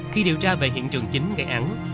khi điều tra về hiện trường chính gây án